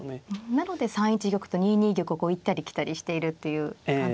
なので３一玉と２二玉を行ったり来たりしているっていう感じなんですか。